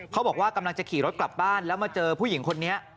เขาบอกว่ากำลังจะขี่รถกลับบ้านแล้วมาเจอผู้หญิงคนนี้